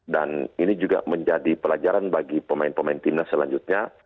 dan ini juga menjadi pelajaran bagi pemain pemain timnas selanjutnya